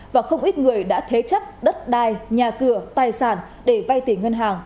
và không ít người đã thế chấp đất đai nhà cửa tài sản để vay tiền ngân hàng